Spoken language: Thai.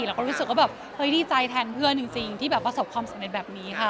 เราก็รู้สึกว่าแบบเฮ้ยดีใจแทนเพื่อนจริงที่แบบประสบความสำเร็จแบบนี้ค่ะ